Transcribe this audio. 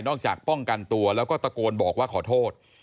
จากป้องกันตัวแล้วก็ตะโกนบอกว่าขอโทษ